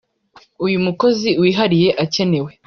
uyu mukozi wihariye akenewe